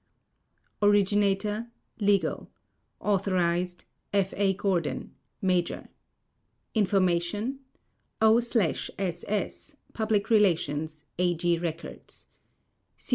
ORIGINATOR: Legal AUTH: F. H. GORDON Major INFORMATION: O/SS, Pub. Relations, AG Records.